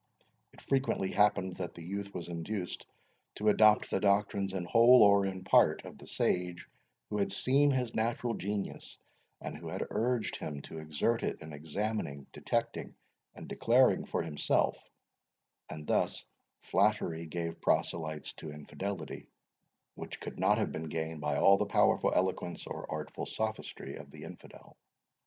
It frequently happened, that the youth was induced to adopt the doctrines in whole, or in part, of the sage who had seen his natural genius, and who had urged him to exert it in examining, detecting, and declaring for himself, and thus flattery gave proselytes to infidelity, which could not have been gained by all the powerful eloquence or artful sophistry of the infidel.